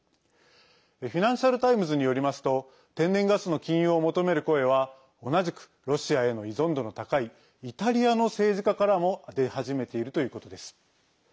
フィナンシャル・タイムズによりますと天然ガスの禁輸を求める声は同じく、ロシアへの依存度の高いイタリアの政治家からも出始めているということです。